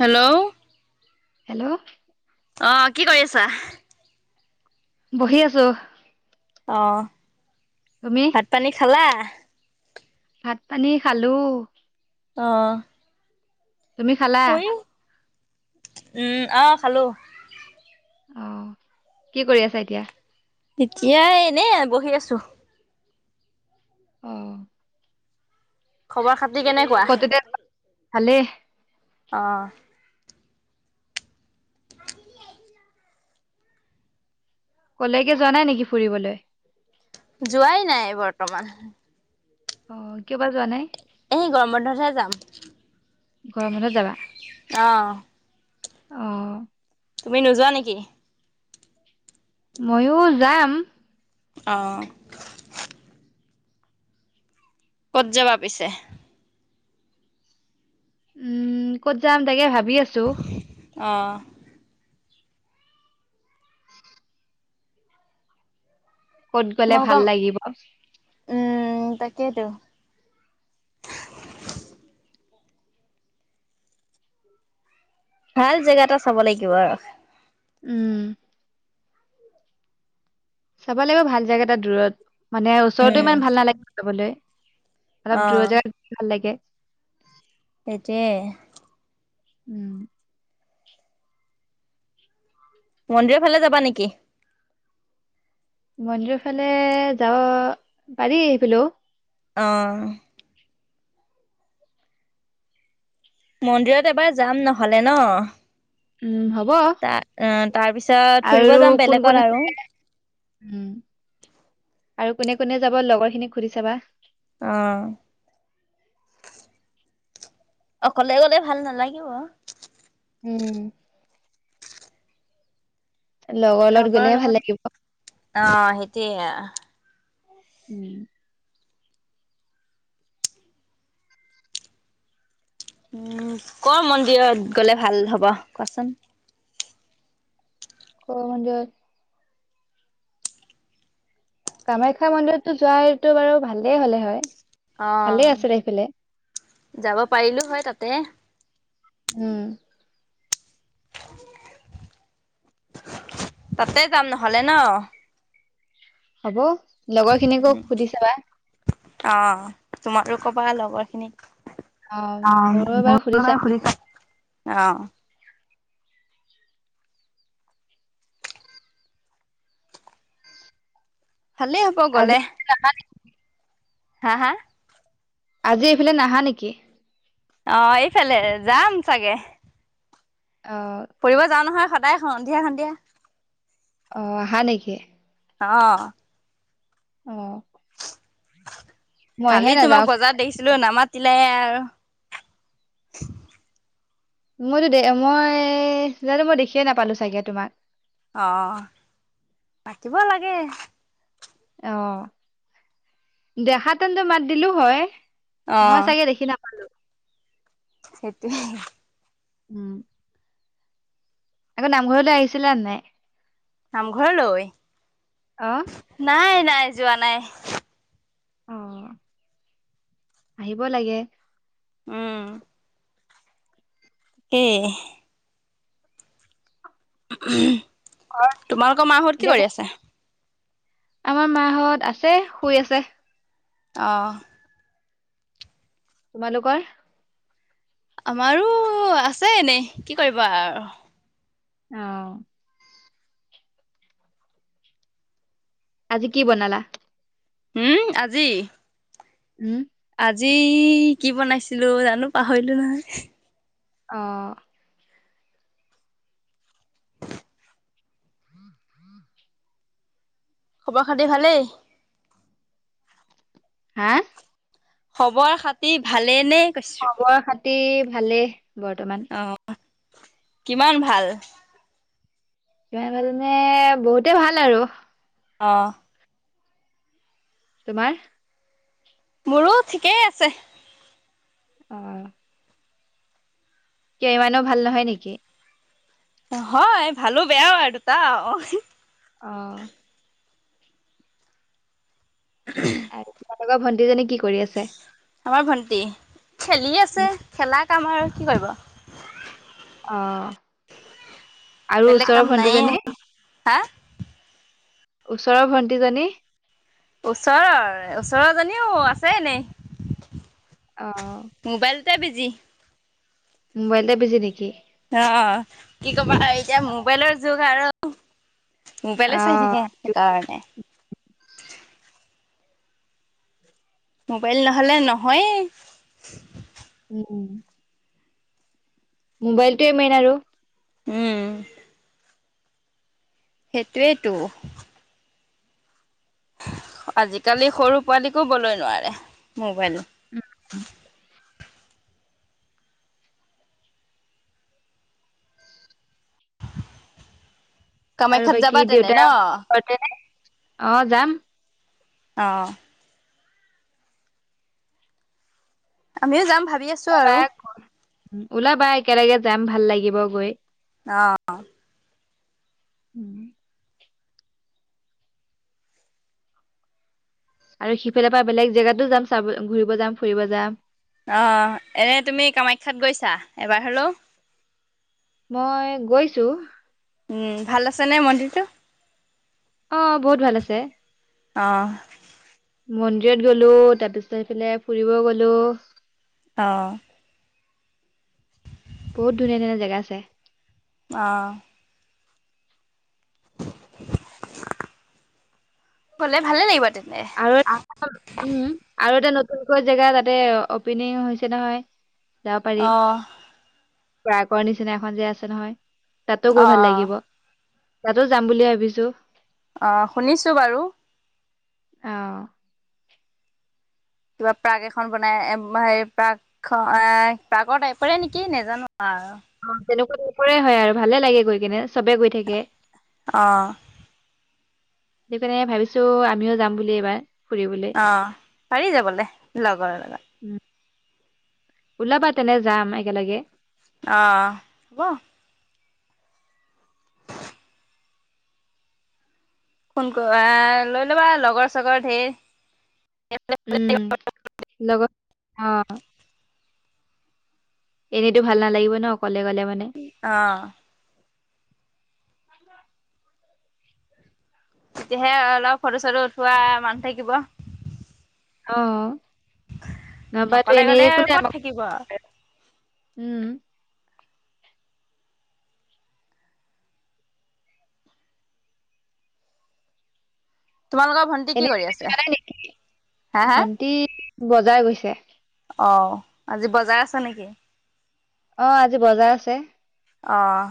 Hello. Hello. অ কি কৰি আছা। বহি আছোঁ। অ। ভাত পানী খালা। ভাত পানী খালো। অ। তুমি খালা। উম্ অ খালো। অ কি কৰি আছা এতিয়া। তেতিয়াই এনে বহি আছোঁ। অ। খবৰ খাতি। তুমি কেনেকুৱা। ভালে। অ। আহিলি এইটো ল। [inaudible] কলৈকে যোৱা নাই নেকি ফুৰিবলৈ। যোৱাই নাই বৰ্তমান। অ কিয় বাৰু যোৱা নাই। এই গৰম বন্ধতহে যাম গৰম বন্ধত যাবা অ। অ। তুমি নোযোৱা নেকি। ময়ো যাম। অঁ ক'ত যাবা পিছে? উম ক'ত যাম তাকে ভাবি আছোঁ। অঁ ক'ত গ'লে ভাল তোমালোকৰ লাগিব? উম তাকে তো। ভাল জেগা এটা চাব লাগিব আৰু। উম। চাব লাগিব ভাল জেগা এটা দূৰত। মানে ওচৰতো উম। ইমান ভাল নালাগে যাবলে। অলপ দূৰ অহ জেগাত ভাল লাগে। সেইটোৱে। উম। মন্দিৰৰ ফালে যাবা নেকি? মন্দিৰৰ ফালে যাব পাৰি সেইফালেও। অঁ মন্দিৰত এবাৰ যাম নহ'লে ন। উম হ' তা অহ তাৰ পিছত ফুৰিব যাম কোন কোন বেলেগত আছে আৰু। উম। আৰু কোনে কোনে যাব লগৰ খিনিক সুধি চাবা। অ'হ অকলে গ'লে ভাল নালাগিব। উম। লগত লগৰ গ'লেহে ভাল লাগিব। লগত অ সেইটোৱে আ। উম। উম কৰ মন্দিৰত গ'লে ভাল হ'ব, ক'চোন? ক'মন্দিৰত কামাখ্যা মন্দিৰততো যোৱটো বাৰু ভালেই হ'লে হয়। অ' ভালে আছিলে সিফালে। যাব পাৰিলো হয় তাতে। উম তাতে যাম নহ'লে ন। হ'ব। লগৰ খিনিকিকো সুধি ছাবা। অ তোমাৰো কবা লগৰ খিনিক। অ মোৰো এবাৰ সুধি চাই। অহ ভালেই হ'ব আজি গ'লে। হা হা? আজি এইফালে নাহা নেকি? অ এইফালে যাম চাগে অ ফুৰিব যাওঁ নহয় স সদাই স সন্ধিয়া সন্ধিয়া অ আহা নেকি অ অ। [unintelligible] মইহে কালি তোমাক নাযাওঁ বজাৰত দেখিছিলো নামা। লাই আৰু মইতো দে মই জানো মই দেখিয়ে নাপালো চাগে তোমাক। আহ মাতিব লাগে। অ দেখাতেন্তো মাত দিলো হয়। অ মই চাগে দেখি নাপালো। সেইটোৱে। উম। আকৌ নামঘৰলৈ আহিছিলে নাই। নামঘৰ লৈ। আহ। নাই যোৱা নাই। অ। আহিব লাগে। উম। এ [unintelligible] ঘৰ তোমালোকৰ মাহত কি এতিয়া ক কৰি আছে। আমাৰ মাহত আছে শুই আছে আহ। তোমালোকৰ আমাৰো আছে এনেই কি কৰিব আৰু অ আজি কি বনালা উম আজি উম আজি কি বনাইছিলো জানো পাহৰিলো নহয় অ [unintelligible] খবৰ খাতি ভালেই। হা। খবৰ খাতি ভালে নে? খবৰ খাতি। তি ভালে। বৰ্তমান। অ কিমান ভাল বহুতে ভাল আৰু অঁ। তোমাৰ। মোৰো ঠিকেই আছে। অ। সিমানও ভাল নহয় নেকি? হয় ভালো বেয়াও আৰু দুটা অ অ উ [unintelligible] লগৰ ভণ্টিজনী কি কৰি আছে? আমাৰ ভন্টি খেলি আছে উম, খেলা কাম আৰু কি কৰিব। আহ আৰু বেলেগ কাম ওচৰৰ নাইয়ে ভণ্টিজনী হা ওচৰৰ ভণ্টি জনী ওচৰৰ ওচৰজনীও আছে এনেই অ, মোবাইলতে বিজি জি মোবাইলতে বিজি নেকি? অ কি কবা এতিয়া মোবাইলৰ যুগ আৰু অ, মোবাইলে চাই থাকে সেইটো সেইকাৰণে মোবাইল নহ'লে নহয়ে উম মোবাইলটোৱে মেইন আৰু উম সেইটোৱেইটো আজিকালি সৰু পোৱালীকো বলেই নোৱাৰে মোবাইল উম আৰু কামাখ্যাত বাকী যাবা তেনে দেউতা ন ঘৰতে নে? অ যাম আহঁ আমিও যাম ভাবি ভাবি আছো আৰু ওলাবা একেলগে যাম ভাল লাগিব গৈ। অ উম আৰু সিফালে পৰা বেলেগ জেগাতো যাম চাব ঘুৰিব যাম ফুৰিব যাম আহ এনে তুমি কামাখ্যাত গৈছা এবাৰ হলেও। মই গৈছো উম ভাল আছে নে মন্দিৰটো? অ বহুত ভাল আছে আহ মন্দিৰত গলো তাৰপিছত সফালে ফুৰিব গলো অঁ বহুত ধুনীয়া ধুনীয়া জেগা আছে আহ গলে ভালে লাগিব তে আৰু এটা উম আৰু এটা ক জেগা তাতে অপেনিং হৈছে নহয় অঁ। প্ৰয়াকৰ নিচিনা এখন যে আছে নহয়। তাতো গৈ ভাল অ', লাগিব। তাতো যাম বুলি ভাবিছো। অঁ, শুনিছো বাৰু। অঁ। কিবা প্ৰাগ এখন বনাই প্ৰাগ খ এ প্ৰাগৰ টাইপৰে নেকি নজানো। অঁ। অ তেনেকুৱা নকৰেই হয় আৰু ভালে লাগে গৈ কেনে চবে গৈ থাকে। অঁ। সেইটো কাৰণে ভাবিছো আমিও যাম বুলি এইবাৰ। ফুৰিবলৈ অঁ, পাৰি যাবলে লগৰে লগত। উম ওলাবা তেনে যাম একেলগে। অঁ হব। ফোন কৰ আহ লৈ ল'বা লগৰ চগৰ ধেৰ। উম লগত অঁ, এনেইতো ভাল নালাগিব ন অকলে গ'লে মানে। অঁ, তেতিয়াহে অলপ ফটো ছটো উঠোৱা মানুহ থাকিব। অঁ। নবাতো অকলে গ'লে এনেই আৰু কোনে ক'ত আমাক। থাকিব আৰু। উম। তোমালোকৰ ভন্টি এনে কি কৰি তুমি আছে যোৱা নাই নেকি হা হা। ভন্টি বজাৰ গৈছে। অঁ, আজি বজাৰ আছে নেকি? অঁ, আজি বজাৰ আছে। অঁ।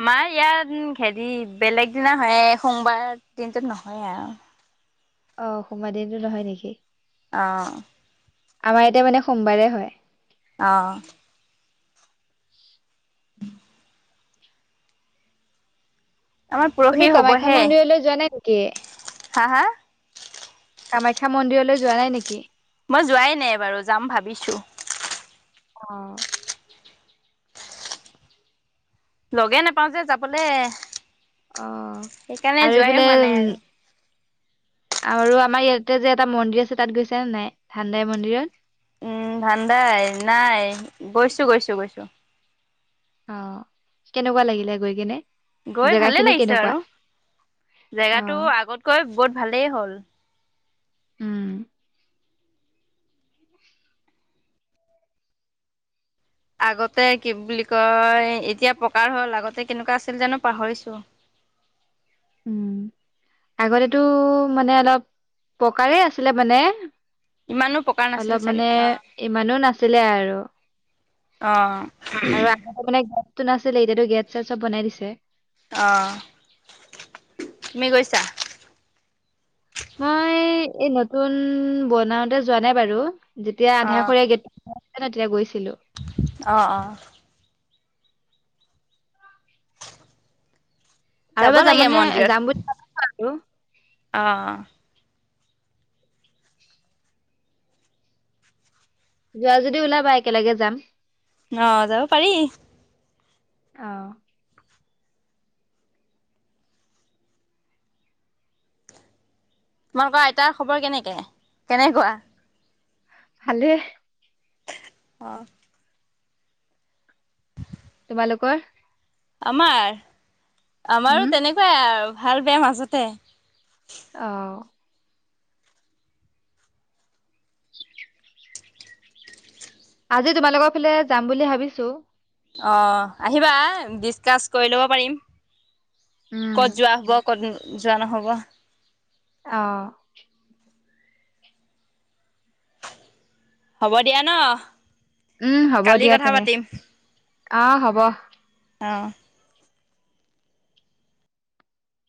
আমাৰ ইয়াত হেৰি বেলেগ দিনা হয় সোমবাৰ দিনটোত নহয় আৰু। অঁ, সোমবাৰ দিনটো নহয় নেকি? অঁ। আমাৰ এতিয়া মানে সোমবাৰে হয়। অঁ, উম। আমাৰ তুমি পৰহি কামাখ্যা হ'বহে মন্দিৰলৈ যোৱা নাই নেকি? হা হা? কামাখ্যা মন্দিৰলৈ যোৱা নাই নেকি? মই যোৱাই নাই এবাৰু যাম ভাবিছো। অঁ, লগে নাপাওঁ যে যাবলে। অঁ, সেইকাৰণে আৰু যোৱাই এইফালে। হোৱা নাই আৰু। আৰু আমাৰ ইয়াতে যে এটা মন্দিৰ আছে তাত গৈছে নে নাই ভাণ্ডাই মন্দিৰত? উম ভাণ্ডাই নাই গৈছো গৈছো গৈছো। অ কেনেকোৱা লাগিলে গৈ কিনে গৈ ভালে লাগিছে আৰু অ জেগাতো আগতকৈ বহুত ভালেই হ'ল। উম আগতে কি বুলি কয় এতিয়া পকাৰ হ'ল আগতে কেনেকোৱা আছিল জানো পাহৰিছো। উম আগতেতো মানে অলপ পকাৰেই আছিলে মানে ইমানো পকা নাছিল অলপ চাগে মানে অ ইমানো নাছিলে আৰু অহ ওমহ টো নাছিলে এতিয়াতো গেত চেত চব বনাই দিছে অহ তুমি গৈছা মই এই নতুন বনাওতে যোৱা নাই বাৰু যেতিয়া অ আধা খৰীয়া গেট তেতিয়া গৈ অ অ আৰু যাব এবাৰ লাগে যাবনে মানে যাম বুলি ভাবা অ অহ যোৱা যদি ওলাবা একেলগে যাম অ যাব পাৰি অ তোমালোকৰ আইতাৰ খবৰ কেনেকে কেনেকোৱা ভালে অ [unintelligible] আপোনালোকৰ আমাৰ আমাৰো উম তেনেকোৱাই আৰু। ভাল বেয়া মাজতে অহ উ আজি তোমালোকৰ ফালে যাম বুলি ভাবিছো অ আহিবা ডিচকাচ কৰি ল'ব পাৰিম উম, ক'ত যোৱা হ'ব কত ন যোৱা নহ'ব অহ হ'ব দিয়া ন উম হ'ব কালি দিয়া কথা তেনে পাতিম আঁহ হব অঁ